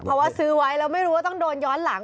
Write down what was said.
เพราะว่าซื้อไว้แล้วไม่รู้ว่าต้องโดนย้อนหลัง